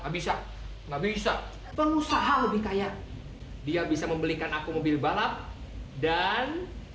bisa nggak bisa pengusaha lebih kaya dia bisa membelikan aku mobil balap dan